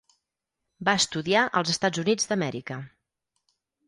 Va estudiar als Estats Units d'Amèrica.